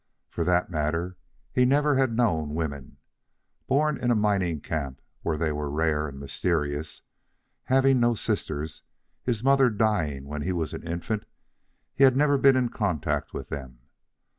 For that matter, he never had known women. Born in a mining camp where they were rare and mysterious, having no sisters, his mother dying while he was an infant, he had never been in contact with them.